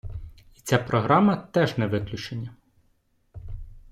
І ця програма теж не виключення.